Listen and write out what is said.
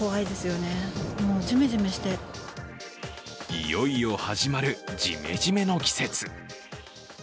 いよいよ始まるジメジメの季節。